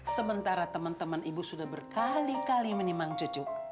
sementara teman teman ibu sudah berkali kali menimang cucu